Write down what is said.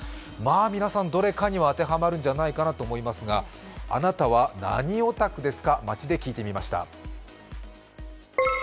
皆さん、どれかには当てはまるんじゃないかと思いますが、あなたは何オタクですか、街で聞いてみました。